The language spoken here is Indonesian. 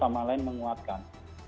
yang satu sama lain menguatkan